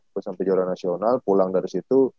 gua sampe juara nasional pulang dari situ